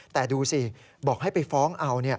แต่ดูสิบอกให้ไปฟ้องเอา